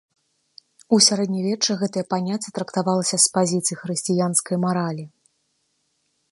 У сярэднявеччы гэтае паняцце трактавалася з пазіцый хрысціянскай маралі.